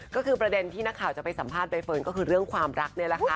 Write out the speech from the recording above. ก็คือประเด็นที่นักข่าวจะไปสัมภาษณใบเฟิร์นก็คือเรื่องความรักนี่แหละค่ะ